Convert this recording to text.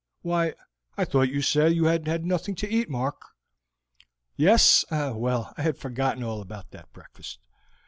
"Why, I thought you said that you had had nothing to eat, Mark." "Yes? Well, I had forgotten all about that breakfast.